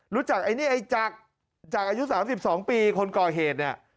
ไอ้นี่ไอ้จักรจักรอายุ๓๒ปีคนก่อเหตุเนี่ย